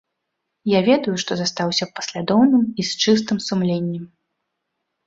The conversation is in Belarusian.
Я ведаю, што застаўся паслядоўным і з чыстым сумленнем.